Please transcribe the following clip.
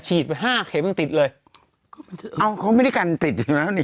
ห้าเข็มยังติดเลยเอ้าเขาไม่ได้กันติดอยู่แล้วนี่